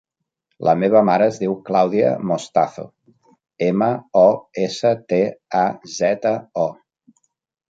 La meva mare es diu Clàudia Mostazo: ema, o, essa, te, a, zeta, o.